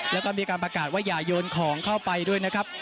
แล้วก็มีการประกาศว่าอย่าโยนของเข้าไปด้วยนะครับ